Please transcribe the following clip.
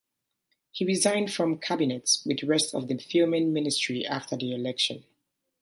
He resigned from cabinet with the rest of the Filmon ministry after the election.